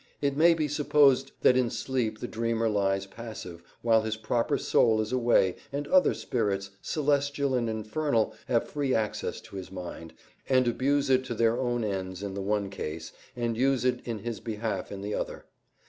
It may be supposed that in sleep the dreamer lies passive, while his proper soul is away, and other spirits, celestial and infernal, have free access to his mind, and abuse it to their own ends in the one case, and use it in his behalf in the other.